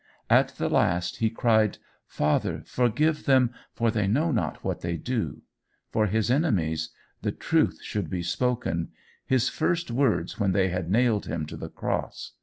At the last he cried, Father forgive them, for they know not what they do. For his enemies the truth should be spoken, his first words when they had nailed him to the cross.